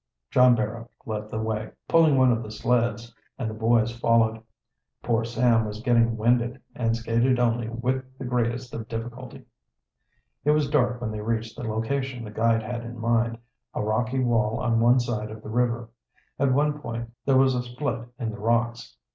John Barrow led the way, pulling one of the sleds, and the boys followed. Poor Sam was getting winded and skated only with the greatest of difficulty. It was dark when they reached the location the guide had in mind a rocky wall on one side of the river. At one point there was a split in the rocks.